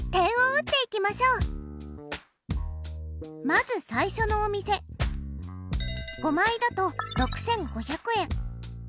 まず最初のお店５枚だと６５００円。